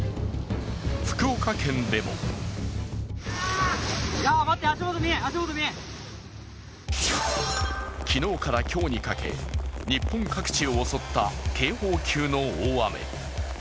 福岡県でも昨日から今日にかけ、日本各地を襲った警報級の大雨。